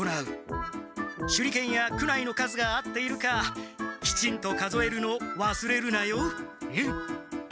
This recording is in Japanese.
手裏剣や苦無の数が合っているかきちんと数えるのわすれるなよ。